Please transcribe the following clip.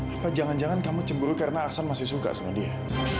apa jangan jangan kamu cemburu karena aksan masih suka sama dia